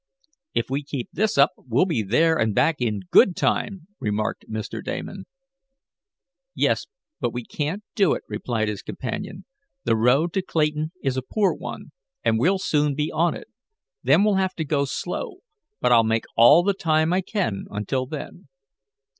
"If we keep this up we'll be there and back in good time," remarked Mr. Damon. "Yes, but we can't do it," replied his companion. "The road to Clayton is a poor one, and we'll soon be on it. Then we'll have to go slow. But I'll make all the time I can until then."